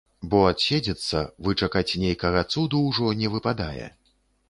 Бо адседзецца, вычакаць нейкага цуду ўжо не выпадае.